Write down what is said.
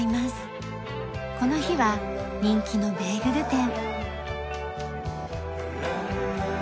この日は人気のベーグル店。